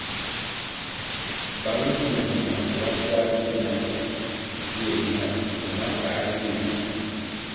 Bang nzi vumah wa kwar gina ri yeh nah ndzima kah wa yeh.